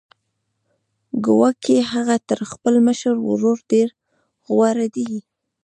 ګواکې هغه تر خپل مشر ورور ډېر غوره دی